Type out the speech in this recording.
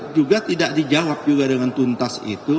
juga tidak dijawab juga dengan tuntas itu